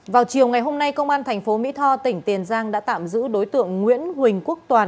vào chiều ngày hôm nay công an thành phố mỹ tho tỉnh tiền giang đã tạm giữ đối tượng nguyễn huỳnh quốc toàn